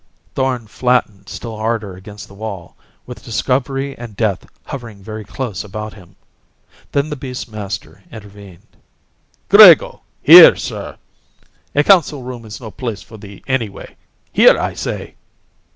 Thorn flattened still harder against the wall, with discovery and death hovering very closely about him. Then the beast's master intervened. "Grego! Here, sir! A council room is no place, for thee, anyway. Here, I say!